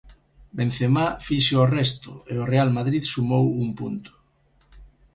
Benzemá fixo o resto, e o Real Madrid sumou un punto.